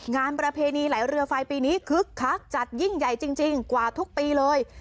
ประเพณีไหลเรือไฟปีนี้คึกคักจัดยิ่งใหญ่จริงกว่าทุกปีเลย